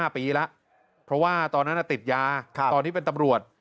๕ปีแล้วเพราะว่าตอนนั้นติดยาตอนนี้เป็นตำรวจ